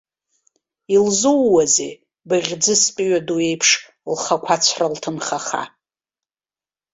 Илзууазеи, быӷьӡыс тәыҩа ду еиԥш лхақәацәра лҭынхаха.